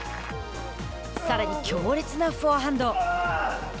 さらに強烈なフォアハンド。